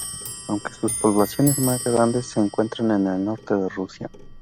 Aunque sus poblaciones más grandes se encuentran en el norte de Rusia.